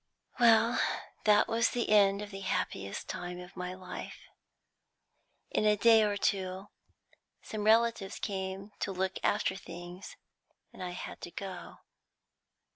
"Well, that was the end of the happiest time of my life. In a day or two some relatives came to look after things, and I had to go.